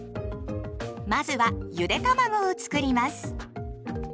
まずはゆでたまごをつくります。